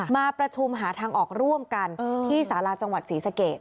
มาประชุมหาทางออกร่วมกันที่สาราจังหวัดศรีสเกต